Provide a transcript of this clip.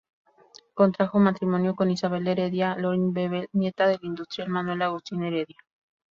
Contrajo matrimonio con Isabel Heredia Loring-Bebel, nieta del industrial Manuel Agustín Heredia.